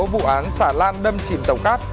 vụ án xả lan đâm chìm tàu cát